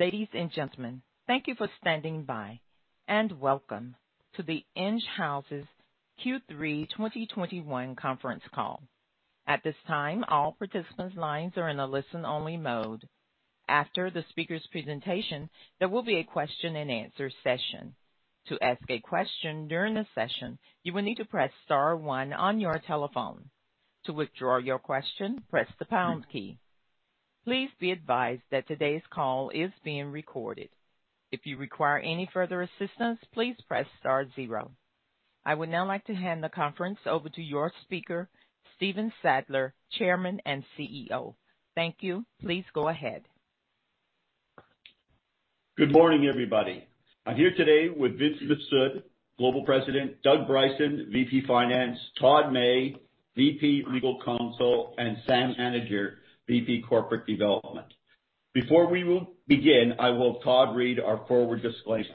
Ladies and gentlemen, thank you for standing by, and welcome to Enghouse's Q3 2021 conference call. At this time, all participants' lines are in a listen-only mode. After the speaker's presentation, there will be a question and answer session. To ask a question during the session, you will need to press star one on your telephone. To withdraw your question, press the pound key. Please be advised that today's call is being recorded. If you require any further assistance, please press star zero. I would now like to hand the conference over to your speaker, Stephen Sadler, Chairman and CEO. Thank you. Please go ahead. Good morning, everybody. I'm here today with Vince Mifsud, Global President, Doug Bryson, Vice President, Finance; Todd May, Vice President and General Counsel; and Sam Anidjar, Vice President, Corporate Development. Before we begin, I will have Todd read our forward disclaimer.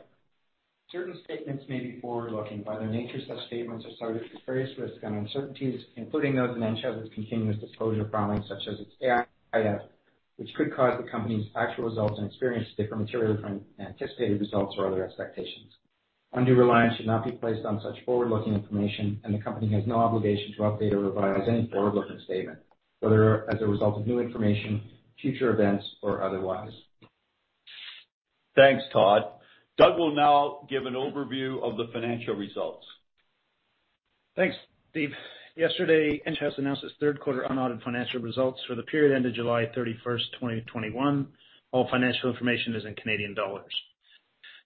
Certain statements may be forward-looking. By their nature, such statements are subject to various risks and uncertainties, including those in Enghouse's continuous disclosure filings, such as its AIF, which could cause the company's actual results and experiences to differ materially from anticipated results or other expectations. Undue reliance should not be placed on such forward-looking information, and the company has no obligation to update or revise any forward-looking statement, whether as a result of new information, future events, or otherwise. Thanks, Todd. Doug will now give an overview of the financial results. Thanks, Steve. Yesterday, Enghouse announced its third quarter unaudited financial results for the period ending July 31st, 2021. All financial information is in Canadian dollars.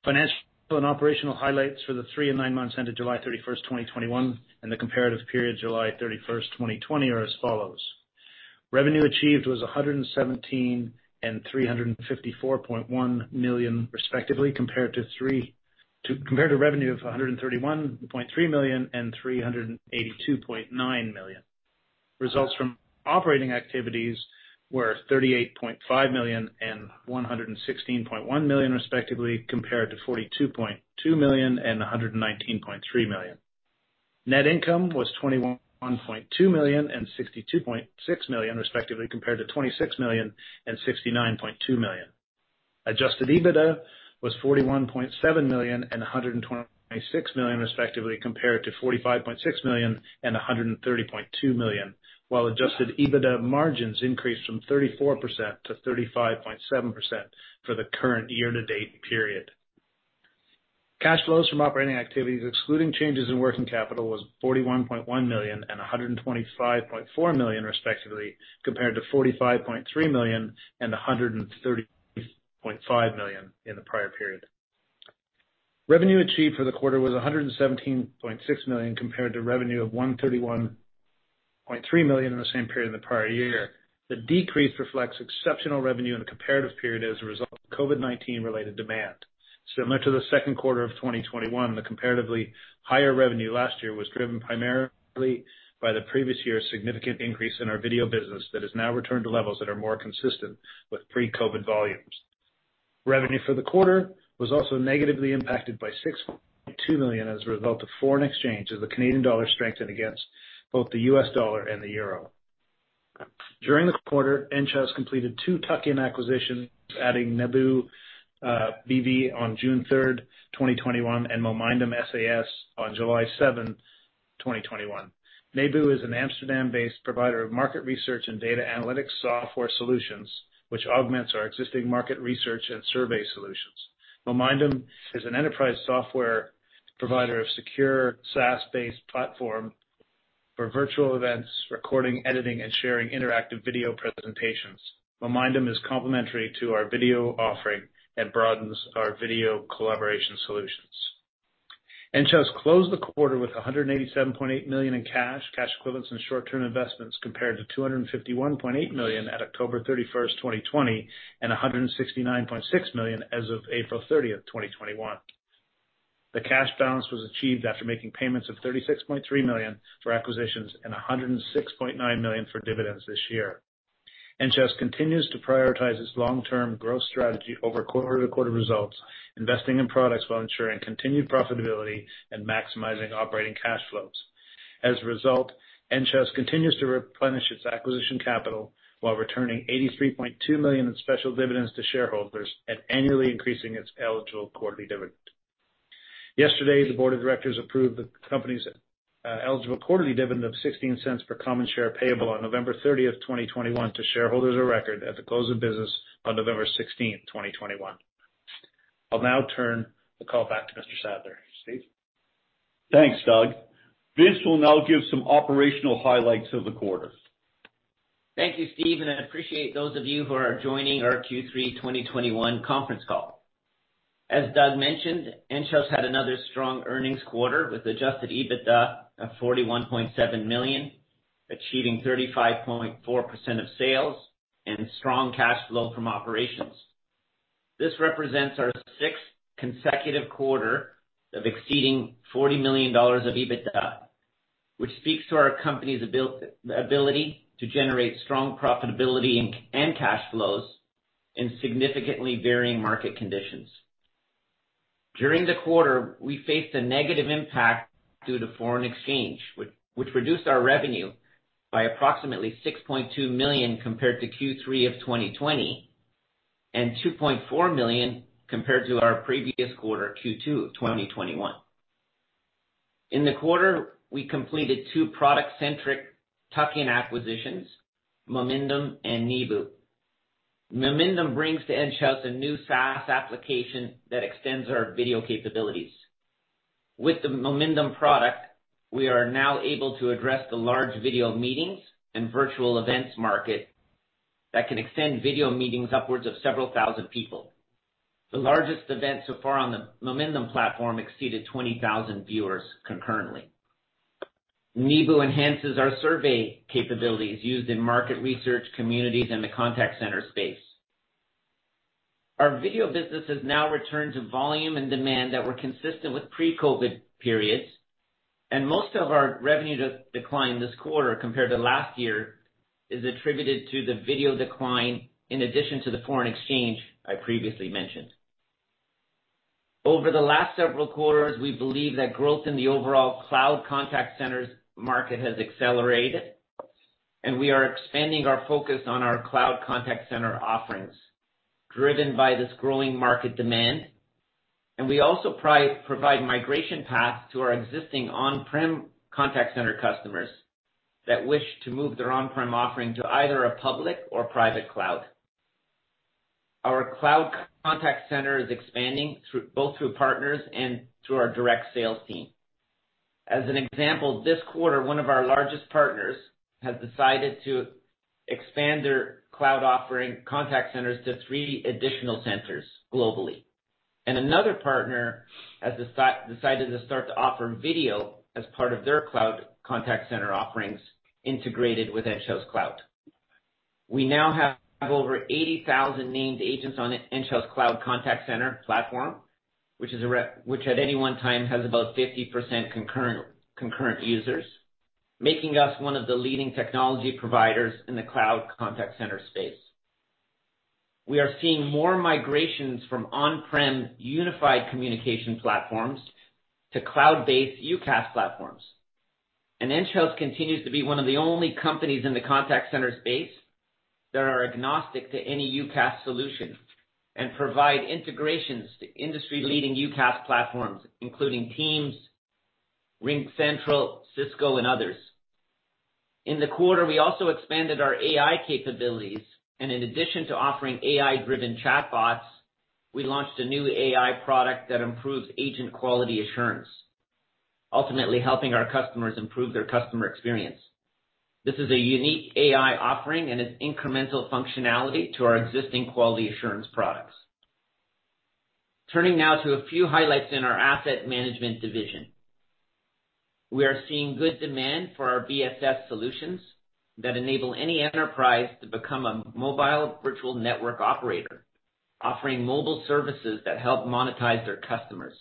Financial and operational highlights for the three and nine months ending July 31st, 2021, and the comparative period July 31st, 2020, are as follows. Revenue achieved was 117 million and 354.1 million, respectively, compared to revenue of 131.3 million and 382.9 million. Results from operating activities were 38.5 million and 116.1 million, respectively, compared to 42.2 million and 119.3 million. Net income was CAD 21.2 million and CAD 62.6 million, respectively, compared to CAD 26 million and CAD 69.2 million. Adjusted EBITDA was CAD 41.7 million and CAD 126 million, respectively, compared to CAD 45.6 million and CAD 130.2 million, while adjusted EBITDA margins increased from 34%-35.7% for the current year-to-date period. Cash flows from operating activities excluding changes in working capital were 41.1 million and 125.4 million, respectively, compared to 45.3 million and 130.5 million in the prior period. Revenue achieved for the quarter was 117.6 million compared to revenue of 131.3 million in the same period in the prior year. The decrease reflects exceptional revenue in the comparative period as a result of COVID-19-related demand. Similar to the second quarter of 2021, the comparatively higher revenue last year was driven primarily by the previous year's significant increase in our video business that has now returned to levels that are more consistent with pre-COVID volumes. Revenue for the quarter was also negatively impacted by 6.2 million as a result of foreign exchange as the Canadian dollar strengthened against both the US dollar and the euro. During the quarter, Enghouse completed two tuck-in acquisitions, adding Nebu BV on June 3rd, 2021, and Momindum SAS on July 7th, 2021. Nebu is an Amsterdam-based provider of market research and data analytics software solutions, which augments our existing market research and survey solutions. Momindum is an enterprise software provider of a secure SaaS-based platform for virtual events, recording, editing, and sharing interactive video presentations. Momindum is complementary to our video offering and broadens our video collaboration solutions. Enghouse closed the quarter with 187.8 million in cash equivalents and short-term investments compared to 251.8 million on October 31st, 2020, and 169.6 million as of April 30th, 2021. The cash balance was achieved after making payments of 36.3 million for acquisitions and 106.9 million for dividends this year. Enghouse continues to prioritize its long-term growth strategy over quarter-to-quarter results, investing in products while ensuring continued profitability and maximizing operating cash flows. As a result, Enghouse continues to replenish its acquisition capital while returning 83.2 million in special dividends to shareholders and annually increasing its eligible quarterly dividend. Yesterday, the board of directors approved the company's eligible quarterly dividend of 0.16 per common share payable on November 30th, 2021, to shareholders of record at the close of business on November 16th, 2021. I'll now turn the call back to Mr. Sadler. Steve? Thanks, Doug. Vince will now give some operational highlights of the quarter. Thank you, Steve, and I appreciate those of you who are joining our Q3 2021 conference call. As Doug mentioned, Enghouse had another strong earnings quarter with adjusted EBITDA of 41.7 million, achieving 35.4% of sales and strong cash flow from operations. This represents our sixth consecutive quarter of exceeding 40 million dollars of EBITDA, which speaks to our company's ability to generate strong profitability and cash flows in significantly varying market conditions. During the quarter, we faced a negative impact due to foreign exchange, which reduced our revenue by approximately 6.2 million compared to Q3 2020 and 2.4 million compared to our previous quarter, Q2 2021. In the quarter, we completed two product-centric tuck-in acquisitions, Momindum and Nebu. Momindum brings to Enghouse a new SaaS application that extends our video capabilities. With the Momindum product, we are now able to address the large video meetings and virtual events market that can extend video meetings to upwards of several thousand people. The largest event so far on the Momindum platform exceeded 20,000 viewers concurrently. Nebu enhances our survey capabilities used in market research communities and the contact center space. Our video business has now returned to volume and demand that were consistent with pre-COVID periods, and most of our revenue decline this quarter compared to last year is attributed to the video decline in addition to the foreign exchange I previously mentioned. Over the last several quarters, we believe that growth in the overall cloud contact centers market has accelerated, and we are expanding our focus on our cloud contact center offerings driven by this growing market demand. We also provide migration paths to our existing on-prem contact center customers that wish to move their on-prem offering to either a public or private cloud. Our cloud contact center is expanding both through partners and through our direct sales team. As an example, this quarter, one of our largest partners has decided to expand their cloud-offering contact centers to three additional centers globally. Another partner has decided to start to offer video as part of their cloud contact center offerings integrated with Enghouse Cloud. We now have over 80,000 named agents on Enghouse Cloud contact center platform, which at any one time has about 50% concurrent users, making us one of the leading technology providers in the cloud contact center space. We are seeing more migrations from on-prem unified communication platforms to cloud-based UCaaS platforms. Enghouse continues to be one of the only companies in the contact center space that are agnostic to any UCaaS solution and provide integrations to industry-leading UCaaS platforms, including Teams, RingCentral, Cisco, and others. In the quarter, we also expanded our AI capabilities, and in addition to offering AI-driven chatbots, we launched a new AI product that improves agent quality assurance, ultimately helping our customers improve their customer experience. This is a unique AI offering and its incremental functionality to our existing quality assurance products. Turning now to a few highlights in our asset management division. We are seeing good demand for our VSS solutions that enable any enterprise to become a mobile virtual network operator, offering mobile services that help monetize their customers.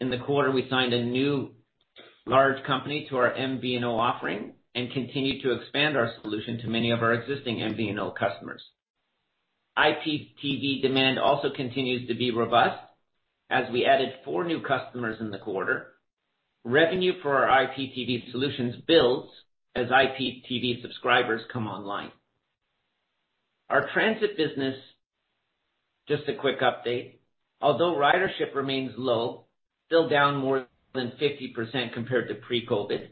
In the quarter, we signed a new large company to our MVNO offering and continued to expand our solution to many of our existing MVNO customers. IPTV demand also continues to be robust as we added four new customers in the quarter. Revenue for our IPTV solutions builds as IPTV subscribers come online. Our transit business: just a quick update. Ridership remains low, still down more than 50% compared to pre-COVID.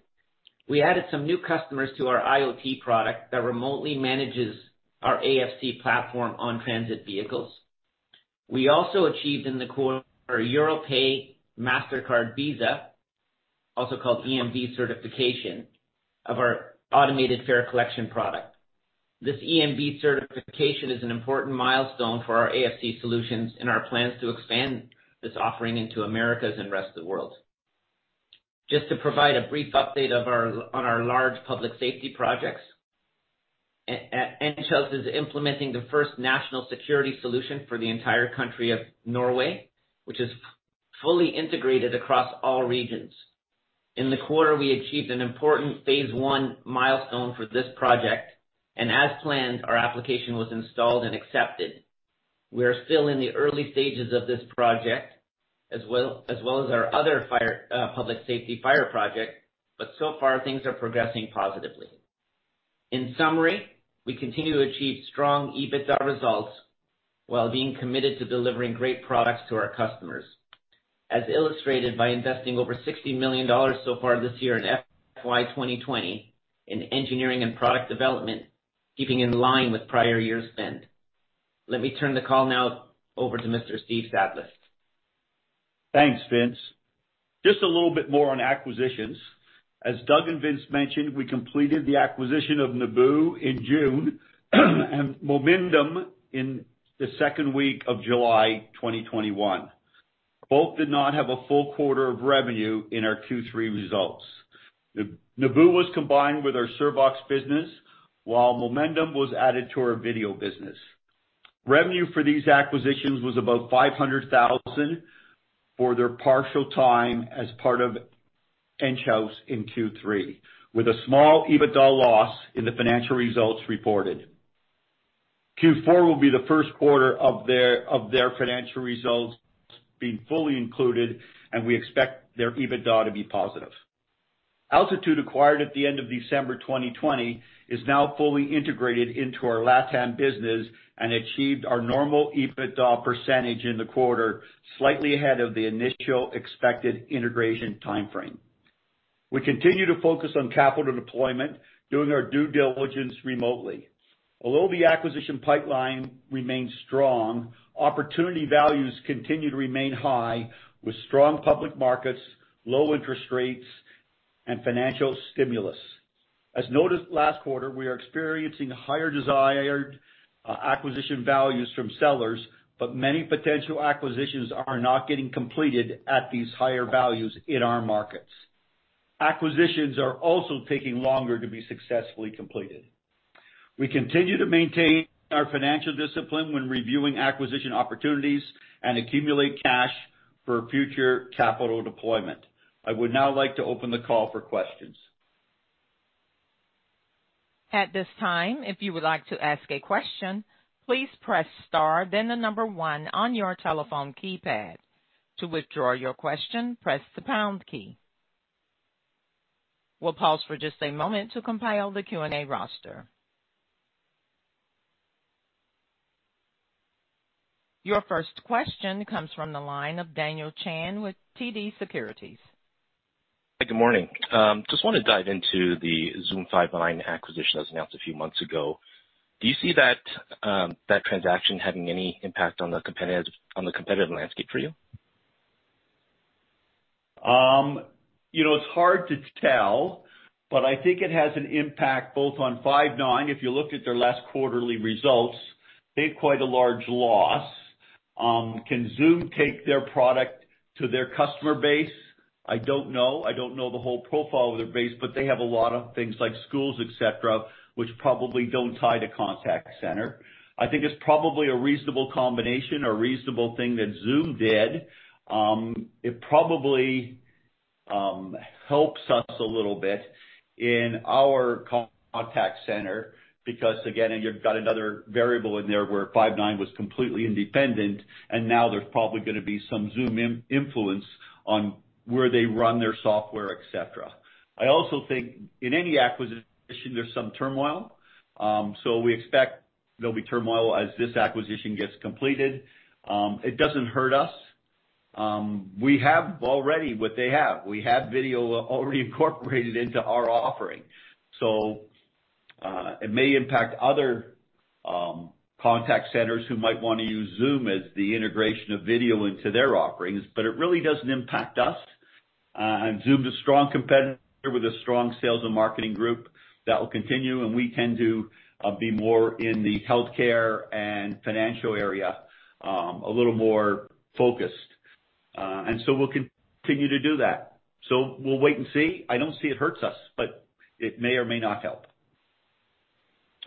We added some new customers to our IoT product that remotely manages our AFC platform on transit vehicles. We also achieved in the quarter a Europay, Mastercard, and Visa, also called EMV, certification of our automated fare collection product. This EMV certification is an important milestone for our AFC solutions and our plans to expand this offering into the Americas and rest of the world. Just to provide a brief update on our large public safety projects. Enghouse is implementing the first national security solution for the entire country of Norway, which is fully integrated across all regions. In the quarter, we achieved an important phase one milestone for this project. As planned, our application was installed and accepted. We are still in the early stages of this project, as well as our other public safety fire project. So far things are progressing positively. In summary, we continue to achieve strong EBITDA results while being committed to delivering great products to our customers, as illustrated by investing over 60 million dollars so far this year in FY 2020 in engineering and product development, keeping in line with prior year spend. Let me turn the call now over to Mr. Stephen Sadler. Thanks, Vince. Just a little bit more on acquisitions. As Doug and Vince mentioned, we completed the acquisition of Nebu in June and Momindum in the second week of July 2021. Both did not have a full quarter of revenue in our Q3 results. Nebu was combined with our Survox business, while Momindum was added to our video business. Revenue for these acquisitions was about 500,000 for their partial time as part of Enghouse in Q3, with a small EBITDA loss in the financial results reported. Q4 will be the first quarter of their financial results being fully included, and we expect their EBITDA to be positive. Altitude acquired at the end of December 2020 is now fully integrated into our LatAm business and achieved our normal EBITDA percentage in the quarter, slightly ahead of the initial expected integration timeframe. We continue to focus on capital deployment, doing our due diligence remotely. Although the acquisition pipeline remains strong, opportunity values continue to remain high, with strong public markets, low interest rates, and financial stimulus. As noted last quarter, we are experiencing higher desired acquisition values from sellers, but many potential acquisitions are not getting completed at these higher values in our markets. Acquisitions are also taking longer to be successfully completed. We continue to maintain our financial discipline when reviewing acquisition opportunities and accumulate cash for future capital deployment. I would now like to open the call for questions. Your first question comes from the line of Daniel Chan with TD Securities. Good morning. Just want to dive into the Zoom Five9 acquisition that was announced a few months ago. Do you see that transaction having any impact on the competitive landscape for you? It's hard to tell, but I think it has an impact on both Five9. If you look at their last quarterly results, they had quite a large loss. Can Zoom take their product to their customer base? I don't know. I don't know the whole profile of their base, but they have a lot of things like schools, et cetera, which probably don't tie to the contact center. I think it's probably a reasonable combination or a reasonable thing that Zoom did. It probably helps us a little bit in our contact center because, again, you've got another variable in there where Five9 was completely independent, and now there's probably going to be some Zoom influence on where they run their software, et cetera. I also think in any acquisition, there's some turmoil. We expect there'll be turmoil as this acquisition gets completed. It doesn't hurt us. We already have what they have. We have video already incorporated into our offering. It may impact other contact centers who might want to use Zoom as the integration of video into their offerings, but it really doesn't impact us. Zoom's a strong competitor with a strong sales and marketing group that will continue, and we tend to be more in the healthcare and financial area, a little more focused. We'll continue to do that. We'll wait and see. I don't see it hurts us, but it may or may not help.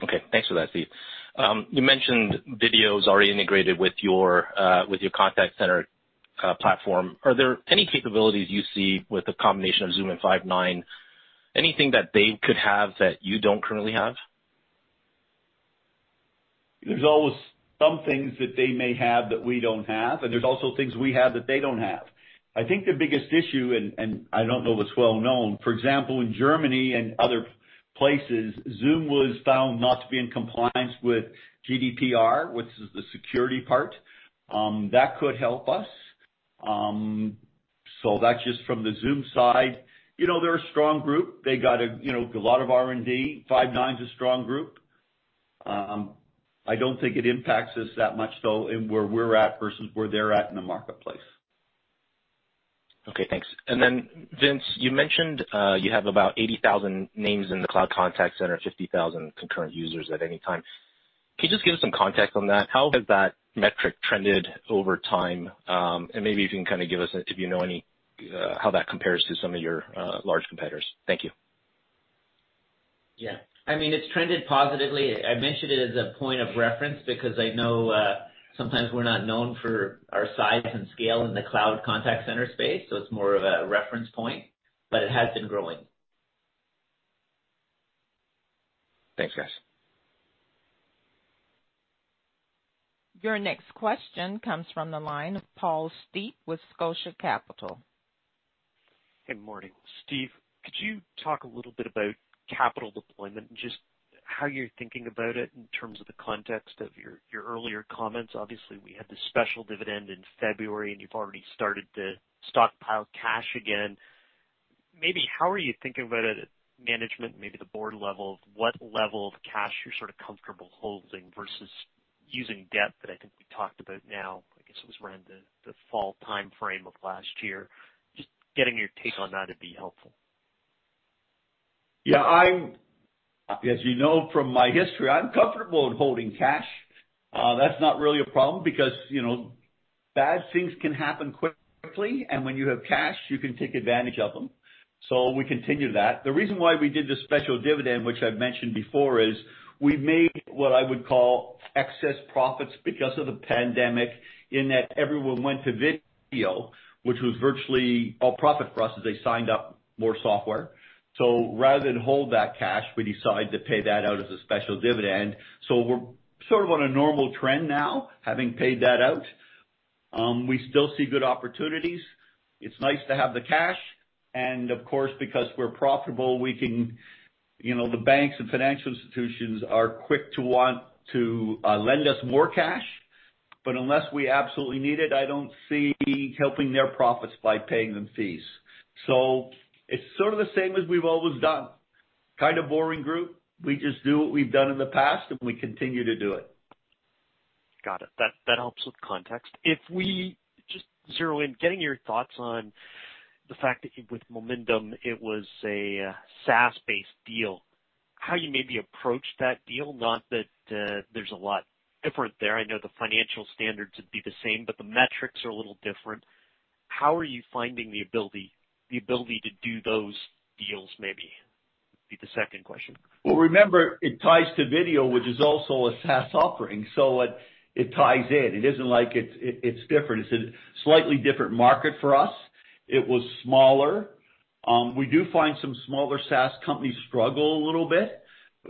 Okay. Thanks for that, Steve. You mentioned video's already integrated with your contact center platform. Are there any capabilities you see with the combination of Zoom and Five9, anything that they could have that you don't currently have? There are always some things that they may have that we don't have, and there are also things we have that they don't have. I think the biggest issue, and I don't know if it's well known; for example, in Germany and other places, Zoom was found not to be in compliance with GDPR, which is the security part. That could help us. That's just from the Zoom side. They're a strong group. They got a lot of R&D. Five9's a strong group. I don't think it impacts us that much, though, in where we're at versus where they're at in the marketplace. Okay, thanks. Then Vince, you mentioned you have about 80,000 names in the cloud contact center and 50,000 concurrent users at any time. Can you just give us some context on that? How has that metric trended over time? Maybe you can kind of give us, if you know any, how that compares to some of your large competitors' Thank you. Yeah. It's trended positively. I mentioned it as a point of reference because I know sometimes we're not known for our size and scale in the cloud contact center space, so it's more of a reference point, but it has been growing. Thanks, guys. Your next question comes from the line of Paul Steep with Scotia Capital. Good morning. Stephen, could you talk a little bit about capital deployment and just how you're thinking about it in terms of the context of your earlier comments? Obviously, we had the special dividend in February, and you've already started to stockpile cash again. Maybe how are you thinking about it at management or maybe the board level of what level of cash you're sort of comfortable holding versus using debt that I think we talked about now? I guess it was around the fall timeframe of last year. Just getting your take on that would be helpful. Yeah. As you know from my history, I'm comfortable in holding cash. That's not really a problem because bad things can happen quickly, and when you have cash, you can take advantage of them. We continue that. The reason why we did the special dividend, which I've mentioned before, is we made what I would call excess profits because of the pandemic in that everyone went to video, which was virtually all profit for us as they signed up more software. Rather than hold that cash, we decided to pay that out as a special dividend. We're sort of on a normal trend now, having paid that out. We still see good opportunities. It's nice to have the cash, and, of course, because we're profitable, the banks and financial institutions are quick to want to lend us more cash. Unless we absolutely need it, I don't see helping their profits by paying them fees. It's sort of the same as we've always done. Kind of boring group. We just do what we've done in the past, and we continue to do it. Got it. That helps with context. If we just zero in, getting your thoughts on the fact that with Momindum it was a SaaS-based deal, how you maybe approached that deal, not that there's a lot different there. I know the financial standards would be the same, but the metrics are a little different. How are you finding the ability to do those deals, maybe, would be the second question. Well, remember, it ties to video, which is also a SaaS offering, so it ties in. It isn't like it's different. It's a slightly different market for us. It was smaller. We do find some smaller SaaS companies struggle a little bit.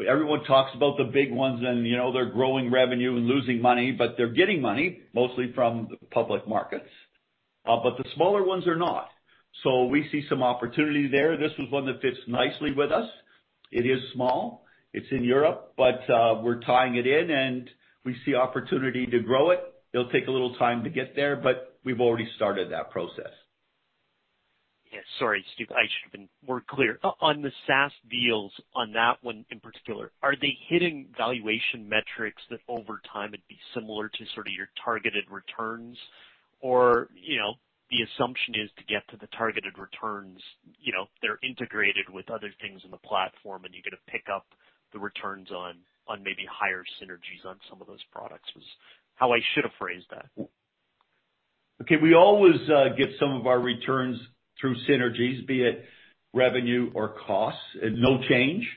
Everyone talks about the big ones, and they're growing revenue and losing money, but they're getting money mostly from the public markets. The smaller ones are not. We see some opportunity there. This was one that fits nicely with us. It is small, it's in Europe, but we're tying it in and we see opportunity to grow it. It'll take a little time to get there, but we've already started that process. Yeah. Sorry, Steve, I should've been more clear. On the SaaS deals, on that one in particular, are they hitting valuation metrics that over time would be similar to sort of your targeted returns? The assumption is to get to the targeted returns; they're integrated with other things in the platform, and you get to pick up the returns on maybe higher synergies on some of those products. That's how I should have phrased that. We always get some of our returns through synergies, be they revenue or costs; no change.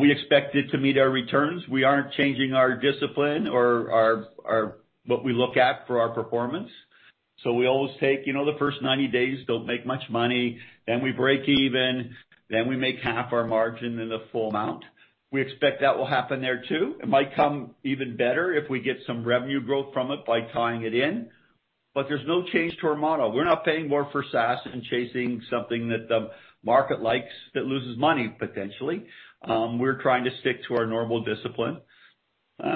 We expect it to meet our returns. We aren't changing our discipline or what we look at for our performance. We always take the first 90 days, don't make much money, then we break even, then we make half our margin, and then the full amount. We expect that will happen there too. It might come even better if we get some revenue growth from it by tying it in. There's no change to our model. We're not paying more for SaaS and chasing something that the market likes that loses money potentially. We're trying to stick to our normal discipline.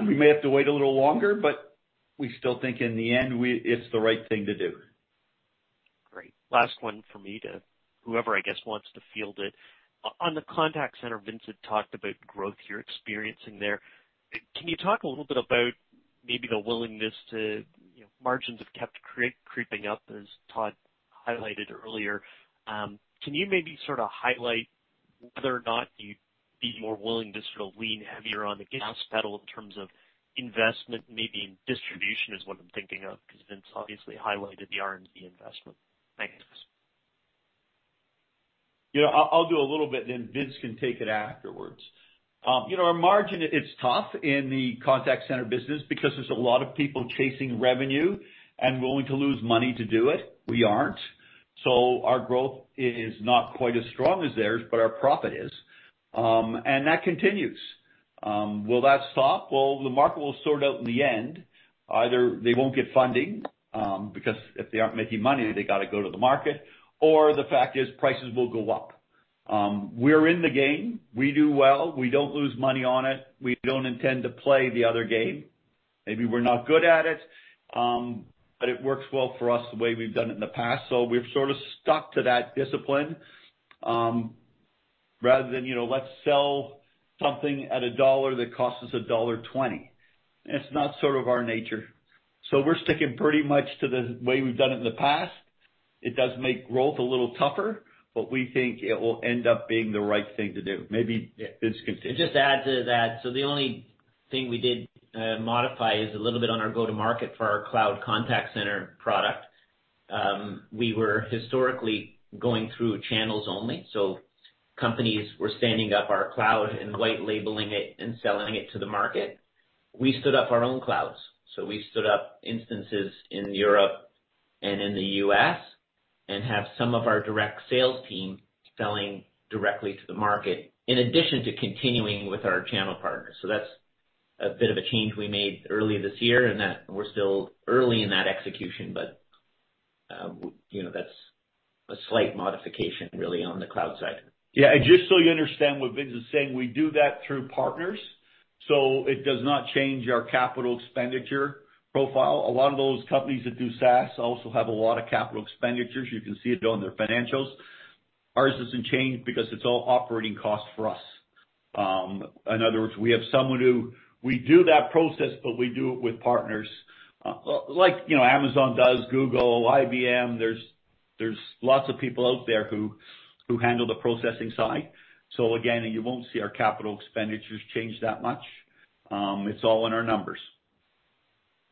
We may have to wait a little longer; we still think in the end, it's the right thing to do. Great. Last one for me, whoever, I guess, wants to field it. In the contact center, Vince had talked about the growth you're experiencing there. Can you talk a little bit about maybe the willingness to? Margins have kept creeping up, as Todd May highlighted earlier. Can you maybe sort of highlight whether or not you'd be more willing to sort of lean heavier on the gas pedal in terms of investment, maybe in distribution, is what I'm thinking of, because Vince obviously highlighted the R&D investment? Thanks, guys. I'll do a little bit. Vince can take it afterwards. Our margin is tough in the contact center business because there are a lot of people chasing revenue and willing to lose money to do it. We aren't. Our growth is not quite as strong as theirs, but our profit is. That continues. Will that stop? Well, the market will sort out in the end. Either they won't get funding, because if they aren't making money, they've got to go to the market, or the fact is prices will go up. We're in the game. We do well. We don't lose money on it. We don't intend to play the other game. Maybe we're not good at it, but it works well for us the way we've done it in the past. We've sort of stuck to that discipline, rather than selling something at CAD 1 that costs us dollar 1.20. It's not sort of our nature. We're sticking pretty much to the way we've done it in the past. It does make growth a little tougher, but we think it will end up being the right thing to do. Maybe Vince can take it. Just to add to that. The only thing we did modify is a little bit on our go-to-market for our cloud contact center product. We were historically going through channels only. Companies were standing up our cloud and white labeling it and selling it to the market. We stood up on our own clouds. We stood up instances in Europe and in the U.S. and have some of our direct sales team selling directly to the market, in addition to continuing with our channel partners. That's a bit of a change we made early this year, and we're still early in that execution, but that's a slight modification really on the cloud side. Just so you understand what Vince is saying, we do that through partners, so it does not change our capital expenditure profile. A lot of those companies that do SaaS also have a lot of capital expenditures. You can see it on their financials. Ours doesn't change because it's all operating costs for us. In other words, we have someone who does that process, but we do it with partners. Like Amazon, Google and IBM do. There are lots of people out there who handle the processing side. Again, you won't see our capital expenditures change that much. It's all in our numbers.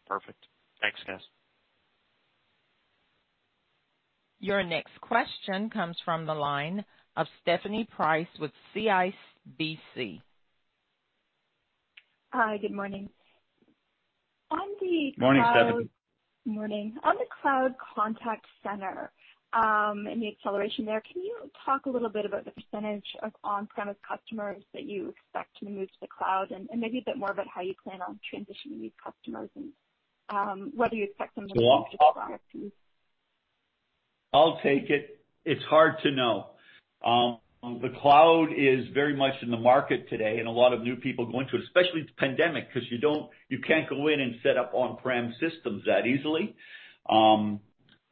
Perfect. Thanks, guys. Your next question comes from the line of Stephanie Price with CIBC. Hi. Good morning. Morning, Stephanie. Morning. On the cloud contact center and the acceleration there, can you talk a little bit about the percentage of on-premise customers that you expect to move to the cloud and maybe a bit more about how you plan on transitioning these customers and whether you expect them to move to the cloud? I'll take it. It's hard to know. The cloud is very much in the market today, and a lot of new people are going to it, especially with the pandemic, because you can't go in and set up on-prem systems that easily.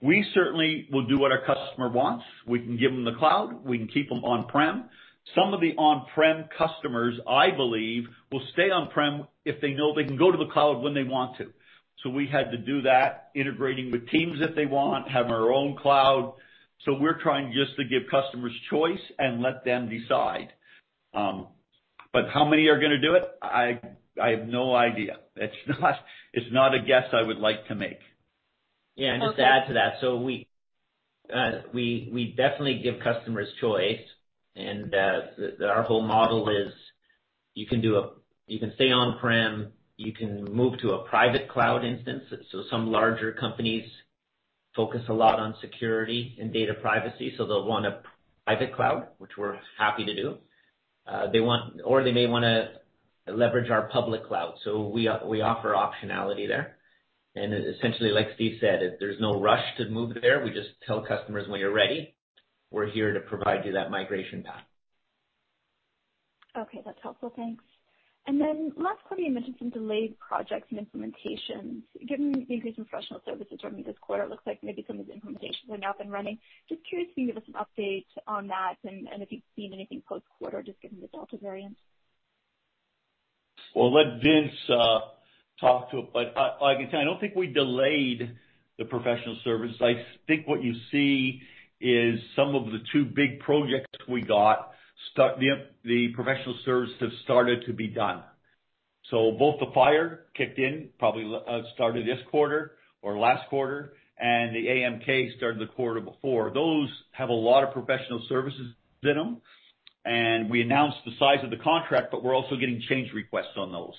We certainly will do what our customer wants. We can give them the cloud. We can keep them on-prem. Some of the on-prem customers, I believe, will stay on-prem if they know they can go to the cloud when they want to. We had to do that, integrating with Teams if they want, and have our own cloud. We're trying just to give customers choice and let them decide. How many are going to do it? I have no idea. It's not a guess I would like to make. Yeah. Just to add to that, we definitely give customers choice, and our whole model is you can stay on-prem, or you can move to a private cloud instance. Some larger companies focus a lot on security and data privacy, so they'll want a private cloud, which we're happy to do. They may want to leverage our public cloud. We offer optionality there. Essentially, like Steve said, there's no rush to move there. We just tell customers, When you're ready, we're here to provide you that migration path. Okay. That's helpful. Thanks. Then last quarter, you mentioned some delayed projects and implementations. Given the increase in professional services during this quarter, it looks like maybe some of the implementations are now up and running. Just curious if you can give us an update on that and if you've seen anything post-quarter, just given the Delta variant. Well, I'll let Vince talk to it, but I can tell you, I don't think we delayed the professional services. I think what you see is some of the two big projects we got; the professional services have started to be done. Both the fire kicked in probably this quarter or last quarter, and the AMK started the quarter before. Those have a lot of professional services in them, and we announced the size of the contract, but we're also getting change requests on those.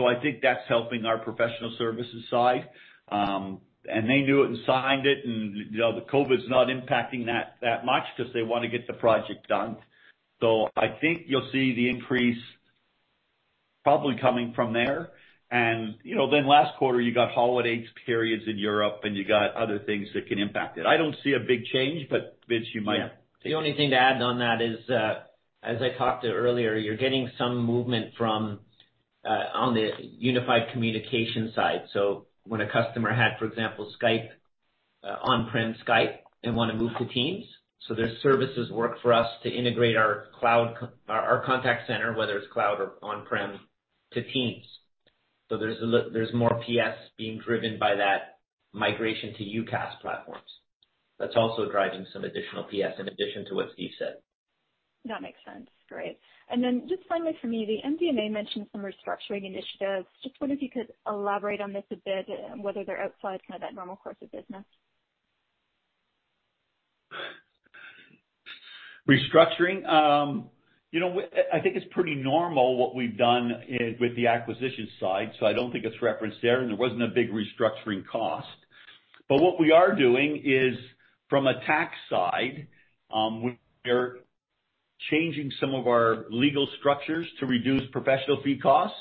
I think that's helping our professional services side. They knew it and signed it, and COVID's not impacting that much because they want to get the project done. I think you'll see the increase probably coming from there. Then last quarter, you got holiday periods in Europe, and you got other things that can impact it.I don't see a big change, but Vince, you might. The only thing to add on that is, as I talked to earlier, you're getting some movement from on the unified communication side. When a customer has, for example, Skype, on-prem Skype, and wants to move to Teams. Their services work for us to integrate our contact center, whether it's cloud or on-prem, to Teams. There's more PS being driven by that migration to UCaaS platforms. That's also driving some additional PS in addition to what Stephen Sadler said. That makes sense. Great. Just finally from me, the MD&A mentioned some restructuring initiatives. Just wondering if you could elaborate on this a bit, whether they're outside kind of that normal course of business. Restructuring. I think it's pretty normal what we've done with the acquisition side, so I don't think it's referenced there, and there wasn't a big restructuring cost. What we are doing is, from a tax side, we're changing some of our legal structures to reduce professional fee costs.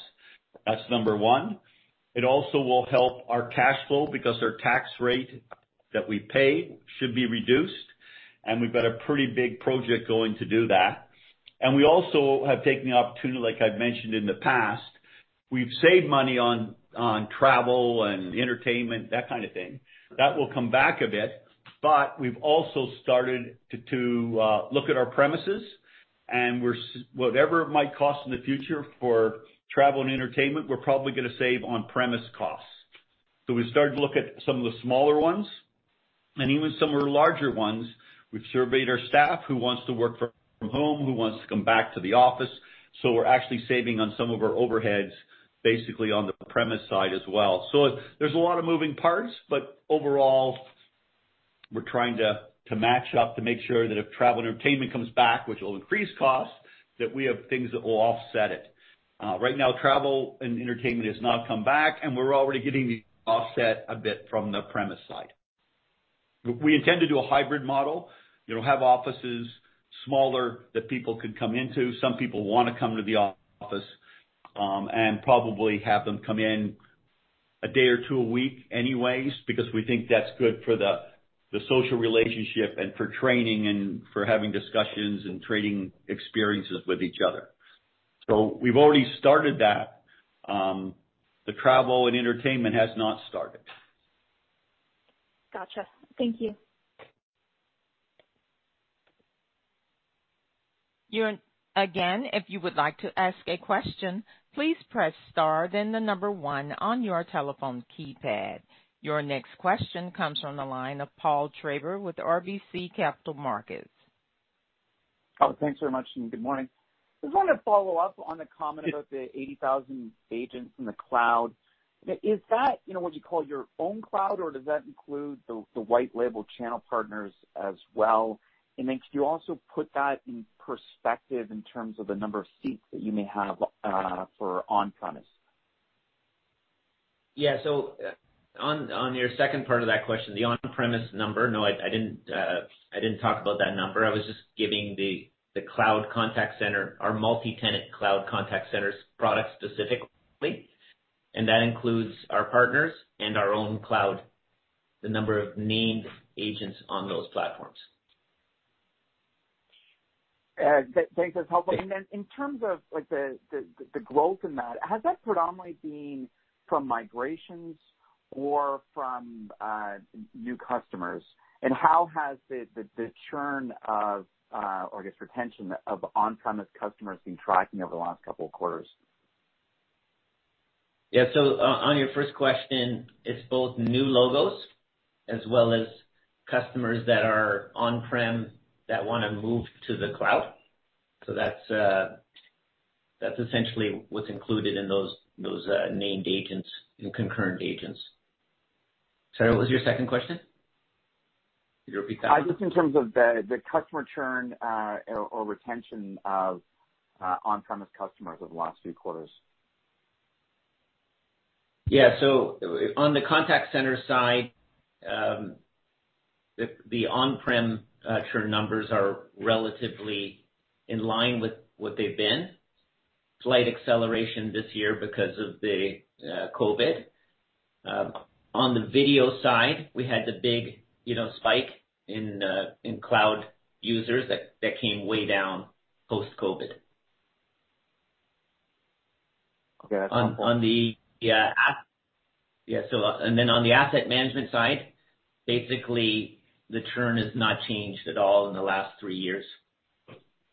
That's number one. It also will help our cash flow because our tax rate that we pay should be reduced, and we've got a pretty big project going to do that. We also have taken the opportunity; like I've mentioned in the past, we've saved money on travel and entertainment, that kind of thing. That will come back a bit, but we've also started to look at our premises, and whatever it might cost in the future for travel and entertainment, we're probably going to save on-premise costs. We started to look at some of the smaller ones, and even some of the larger ones. We've surveyed our staff: who wants to work from home and who wants to come back to the office. We're actually saving on some of our overheads, basically on the premise side as well. There are a lot of moving parts, but overall, we're trying to match up to make sure that if travel and entertainment come back, which will increase costs, we have things that will offset it. Right now, travel and entertainment have not come back, and we're already getting the offset a bit from the premise side. We intend to do a hybrid model and have offices smaller that people can come into. Some people want to come to the office, and probably have them come in a day or two a week anyways, because we think that's good for the social relationship and for training and for having discussions and trading experiences with each other. We've already started that. The travel and entertainment have not started. Gotcha. Thank you. Your next question comes from the line of Paul Treiber with RBC Capital Markets. Oh, thanks very much, and good morning. Just wanted to follow up on the comment about the 80,000 agents in the cloud. Is that what you call your own cloud, or does that include the white label channel partners as well? Could you also put that in perspective in terms of the number of seats that you may have for on-premises? Yeah. On your second part of that question, the on-premise number, no, I didn't talk about that number. I was just giving the cloud contact center, our multi-tenant cloud contact center's product specifically, and that includes our partners and our own cloud, the number of named agents on those platforms. Thanks. That's helpful. Then in terms of the growth in that, has that predominantly been from migrations or from new customers? How has the churn of, or I guess, retention of on-premise customers been tracking over the last couple of quarters? Yeah. On your first question, it's both new logos and customers that are on-prem that want to move to the cloud. That's essentially what's included in those named agents and concurrent agents. Sorry, what was your second question? Could you repeat that? Just in terms of the customer churn, or retention of on-premise customers, over the last few quarters. Yeah. On the contact center side, the on-prem churn numbers are relatively in line with what they've been. Slight acceleration this year because of the COVID. On the video side, we had the big spike in cloud users that came way down post-COVID. Okay. That's helpful. On the asset management side, basically the churn has not changed at all in the last three years.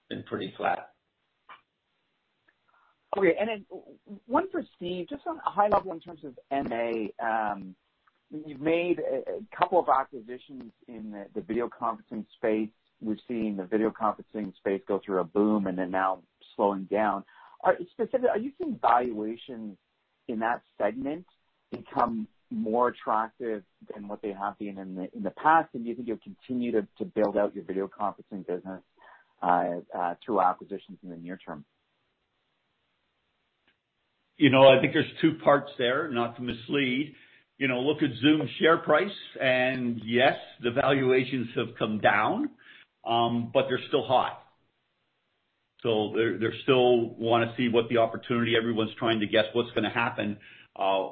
Been pretty flat. Okay. One for Steve, just on a high level in terms of M&A. You've made a couple of acquisitions in the video conferencing space. We've seen the video conferencing space go through a boom, now slowing down. Specifically, are you seeing valuations in that segment become more attractive than what they have been in the past? Do you think you'll continue to build out your video conferencing business through acquisitions in the near term? I think there are two parts there, not to mislead. Look at Zoom's share price, and yes, the valuations have come down, but they're still hot. They still want to see what the opportunity is; everyone's trying to guess what's going to happen.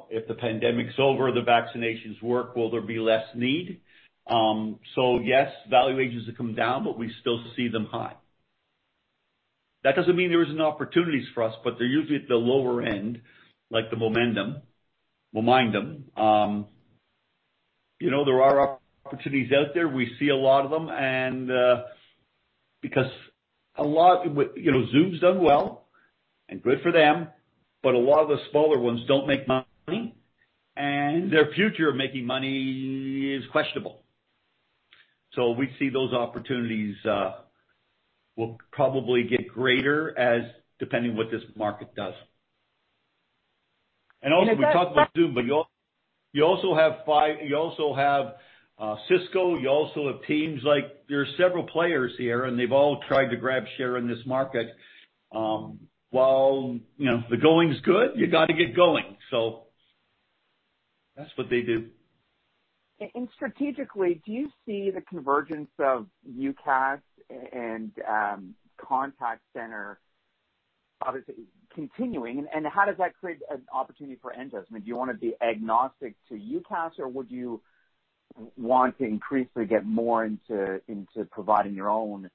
If the pandemic's over and the vaccinations work, will there be less need? Yes, valuations have come down, but we still see them high. That doesn't mean there aren't opportunities for us, but they're usually at the lower end, like the Momindum. There are opportunities out there. We see a lot of them, and because Zoom's done well, good for them, but a lot of the smaller ones don't make money, and their future of making money is questionable. We see those opportunities will probably get greater depending on what this market does. Also, we talked about Zoom, but you also have Cisco; you also have Teams. There are several players here, and they've all tried to grab share in this market. While the going's good, you've got to get going. That's what they do. Strategically, do you see the convergence of UCaaS and contact centers obviously continuing, and how does that create an opportunity for Enghouse? Do you want to be agnostic to UCaaS, or would you want to increasingly get more into providing your own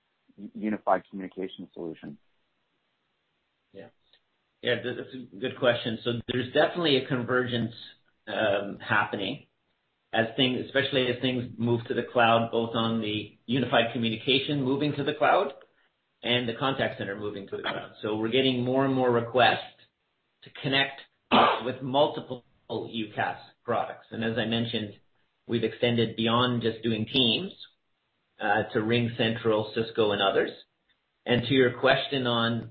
unified communication solution? That's a good question. There's definitely a convergence happening, especially as things move to the cloud, both the unified communication moving to the cloud and the contact center moving to the cloud. We're getting more and more requests to connect with multiple UCaaS products. As I mentioned, we've extended beyond just doing Teams to RingCentral, Cisco, and others. To your question on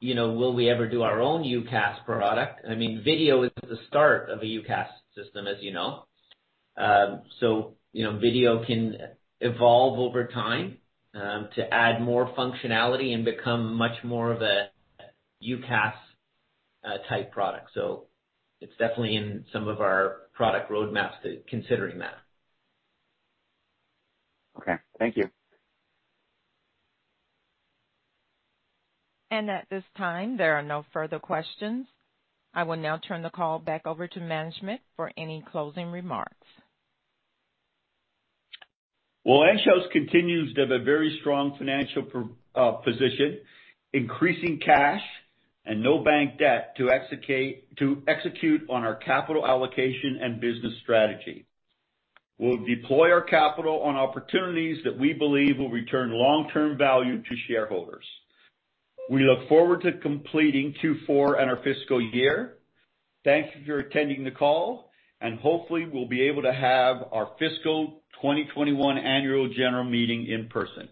will we ever do our own UCaaS product, video is the start of a UCaaS system, as you know. Video can evolve over time to add more functionality and become much more of a UCaaS-type product. It's definitely in some of our product roadmaps to consider that. Okay. Thank you. At this time, there are no further questions. I will now turn the call back over to management for any closing remarks. Enghouse continues to have a very strong financial position, increasing cash and no bank debt to execute on our capital allocation and business strategy. We'll deploy our capital on opportunities that we believe will return long-term value to shareholders. We look forward to completing Q4 and our fiscal year. Thank you for attending the call, and hopefully we'll be able to have our fiscal 2021 annual general meeting in person.